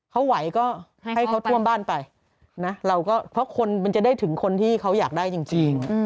เขาไหวก็ให้เขาท่วมบ้านไปนะเราก็เพราะคนมันจะได้ถึงคนที่เขาอยากได้จริง